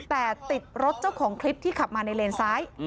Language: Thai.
แต่ติดรถเจ้าของคลิปที่ขับมาในเลนซ้าย